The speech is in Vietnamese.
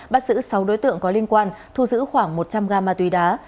bắt giữ sáu đối tượng có liên quan thu giữ khoảng một trăm linh g ma túy đá